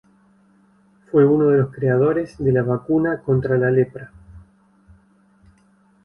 Fue uno de los creadores de la vacuna contra la lepra.